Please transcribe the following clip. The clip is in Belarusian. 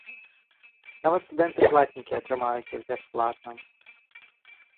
Нават студэнты-платнікі атрымаюць іх бясплатна.